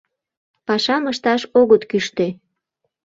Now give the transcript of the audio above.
Пашам ышташ огыт кӱштӧ.